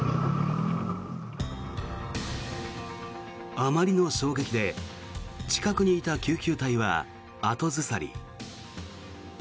あまりの衝撃で近くにいた救急隊は後ずさり。